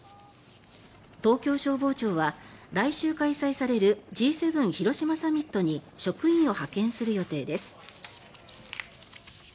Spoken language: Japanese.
東京消防庁は、来週開催されるＧ７広島サミットに職員を派遣する予定です。